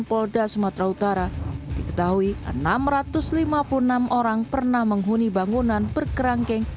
polda sumatera utara diketahui enam ratus lima puluh enam orang pernah menghuni bangunan berkerangkeng